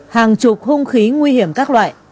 hàng chục hung khí nguy hiểm các loại